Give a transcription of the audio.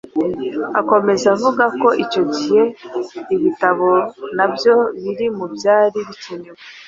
Akomeza avuga ko icyo gihe ibitabo na byo biri mu byari bikenewe